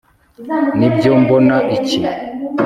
Nibyo mbona iki